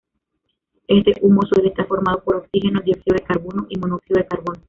Este humo suele estar formado por oxígeno, dióxido de carbono y monóxido de carbono.